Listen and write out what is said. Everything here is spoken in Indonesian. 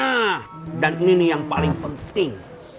nah dan ini nih yang paling penting